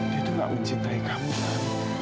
dia tuh gak mencintai kamu tan